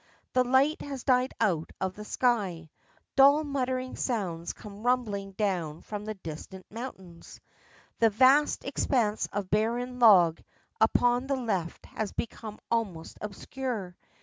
The light has died out of the sky; dull muttering sounds come rumbling down from the distant mountains. The vast expanse of barren bog upon the left has become almost obscure.